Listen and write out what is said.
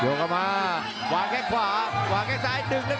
โอ้โหวันจริงครับ